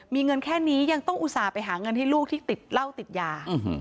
มีเงินแค่นี้ยังต้องอุตส่าห์ไปหาเงินให้ลูกที่ติดเหล้าติดยา